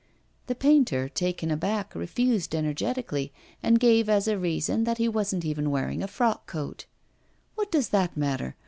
The painter, taken aback, refused energetically, and gave as a reason that he wasn't even wearing a frock coat. 'What does that matter?